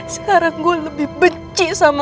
sekarang gue lebih benci sama